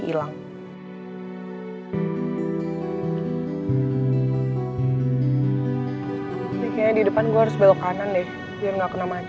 hilang kayaknya di depan gue harus belok kanan deh biar nggak kena mati